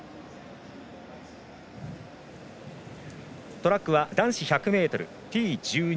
トラックは男子１００ｍＴ１２